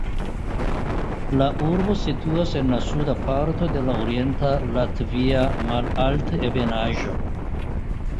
La urbo situas en la suda parto de la Orienta Latvia malaltebenaĵo.